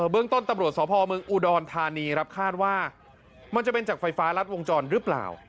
เรื่องต้นตำรวจสพเมืองอุดรธานีครับคาดว่ามันจะเป็นจากไฟฟ้ารัดวงจรหรือเปล่า